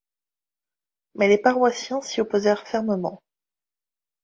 Mais les paroissiens s'y opposèrent fermement.